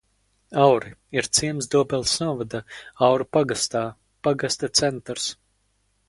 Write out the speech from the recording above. Auri ir ciems Dobeles novada Auru pagastā, pagasta centrs.